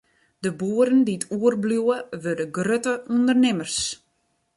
De boeren dy't oerbliuwe, wurde grutte ûndernimmers.